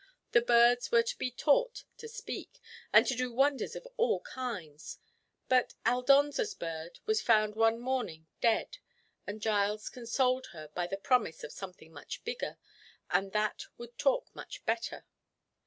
The birds were to be taught to speak, and to do wonders of all kinds, but Aldonza's bird was found one morning dead, and Giles consoled her by the promise of something much bigger, and that would talk much better.